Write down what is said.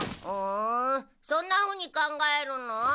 ふんそんなふうに考えるの？